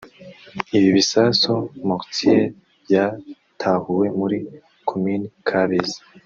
Ibi bisasu (mortier) byatahuwe muri komini Kabezi